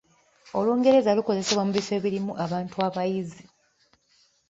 Olungereza lukozesebwa mu bifo ebirimu abantu abayivu.